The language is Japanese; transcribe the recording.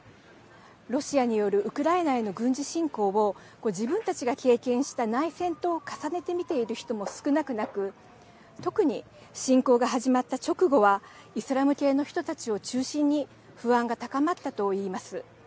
ロシアによるウクライナへの軍事侵攻を自分たちが経験した内戦と重ねて見ている人も少なくなく特に侵攻が始まった直後はイスラム系の人たちを中心に不安が高まったといいます。